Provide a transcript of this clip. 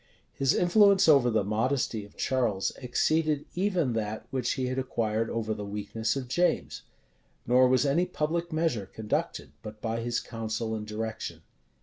His influence over the modesty of Charles exceeded even that which he had acquired over the weakness of James; nor was any public measure conducted but by his counsel and direction.